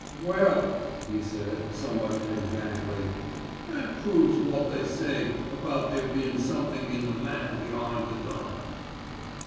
"Well," he said somewhat enigmatically, "that proves wot they say about there bein' somethink in the man be'ind the gun."